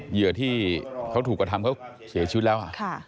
เหยื่อที่เขาถูกกระทำเขาเสียชีวิตแล้ว